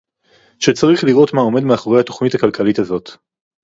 שצריך לראות מה עומד מאחורי התוכנית הכלכלית הזאת